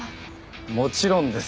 もちろんです。